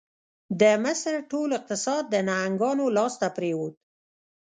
د مصر ټول اقتصاد د نهنګانو لاس ته پرېوت.